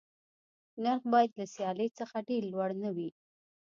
نرخ باید له سیالۍ څخه ډېر لوړ نه وي.